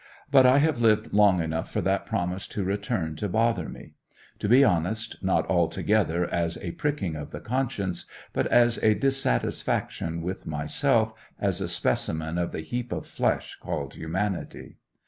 But I have lived long enough for that promise to return to bother me—to be honest, not altogether as a pricking of the conscience, but as a dissatisfaction with myself as a specimen of the heap of flesh called humanity.